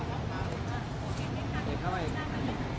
สวัสดีครับ